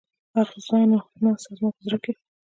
اغزنو ناستو زما په زړه کې.